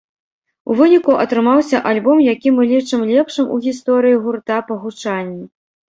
У выніку атрымаўся альбом, які мы лічым лепшым у гісторыі гурта па гучанні.